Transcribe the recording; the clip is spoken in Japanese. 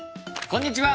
こんにちは！